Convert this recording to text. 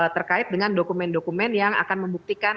terkait dengan dokumen dokumen yang akan membuktikan